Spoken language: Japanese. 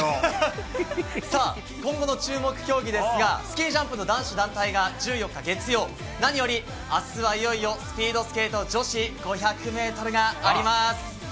さあ、今後の注目競技ですが、スキージャンプの男子団体が１４日月曜、何よりあすは、いよいよスピードスケート女子５００メートルがあります。